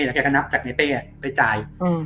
แล้วแกก็นับจากในเป้ไปจ่าย